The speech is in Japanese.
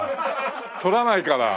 取らないから。